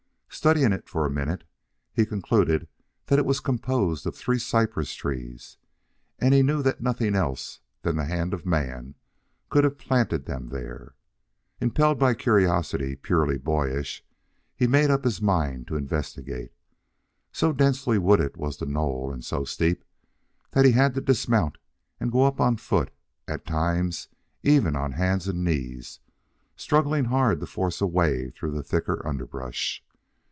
Studying it for a minute, he concluded that it was composed of three cypress trees, and he knew that nothing else than the hand of man could have planted them there. Impelled by curiosity purely boyish, he made up his mind to investigate. So densely wooded was the knoll, and so steep, that he had to dismount and go up on foot, at times even on hands and knees struggling hard to force a way through the thicker underbrush.